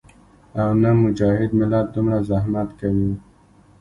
او نۀ مجاهد ملت دومره زحمت کوي